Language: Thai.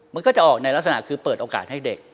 มันก็จะออกในลักษณะคือเปิดโอกาสให้เด็ก